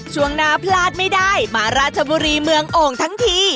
ช่วงหน้าพลาดไม่ได้มาราชบุรีเมืองโอ่งทั้งที